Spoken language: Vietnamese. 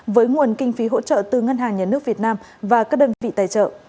với nguồn kinh phí hỗ trợ từ ngân hàng nhà nước việt nam và các đơn vị tài trợ